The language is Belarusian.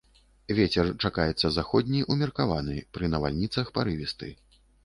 Вецер чакаецца заходні ўмеркаваны, пры навальніцах парывісты.